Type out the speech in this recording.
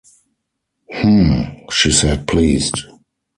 “H'm!” she said, pleased.